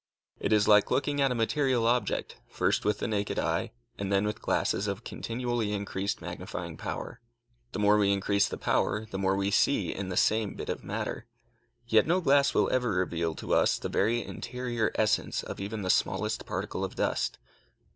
It is like looking at a material object, first with the naked eye, and then with glasses of continually increased magnifying power. The more we increase the power, the more we see in the same bit of matter. Yet no glass will ever reveal to us the very interior essence of even the smallest particle of dust.